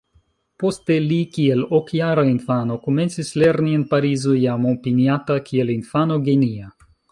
Poste li kiel ok-jara infano komencis lerni en Parizo jam opiniata kiel infano genia.